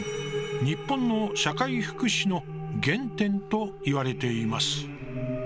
日本の社会福祉の原点と言われています。